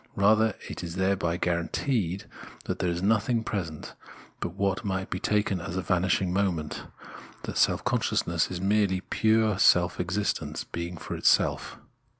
Rather it is thereby guaranteed that there is nothing present but what might be taken as a vanishiing moment — that self consciousness is merely pure se^f existence, being for self.